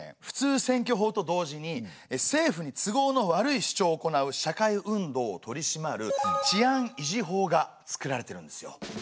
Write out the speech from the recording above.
普通選挙法と同時に政府に都合の悪い主張をおこなう社会運動を取り締まる治安維持法が作られてるんですよ。